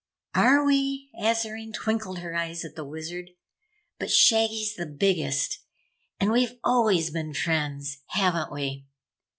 "Are we?" Azarine twinkled her eyes at the Wizard, "But Shaggy's the biggest, and we've always been friends, haven't we?"